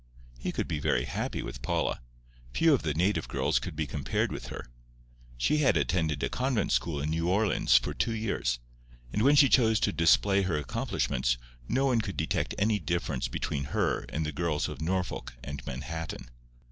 He could be very happy with Paula. Few of the native girls could be compared with her. She had attended a convent school in New Orleans for two years; and when she chose to display her accomplishments no one could detect any difference between her and the girls of Norfolk and Manhattan.